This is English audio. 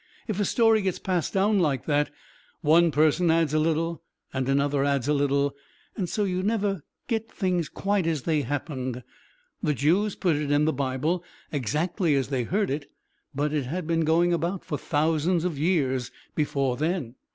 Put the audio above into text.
If a story gets passed down like that, one person adds a little and another adds a little, and so you never get things quite as they happened. The Jews put it in the Bible exactly as they heard it, but it had been going about for thousands of years before then."